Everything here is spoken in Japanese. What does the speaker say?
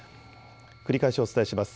繰り返しお伝えします。